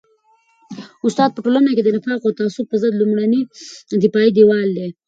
استاد په ټولنه کي د نفاق او تعصب پر ضد لومړنی دفاعي دیوال دی.